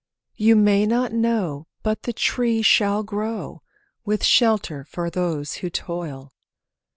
You may not know, but the tree shall grow, With shelter for those who toil.